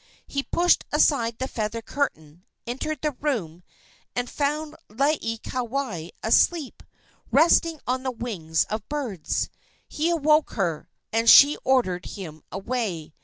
He pushed aside the feather curtain, entered the room, and found Laieikawai asleep, resting on the wings of birds. He awoke her, and she ordered him away.